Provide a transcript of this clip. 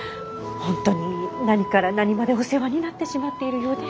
本当に何から何までお世話になってしまっているようで。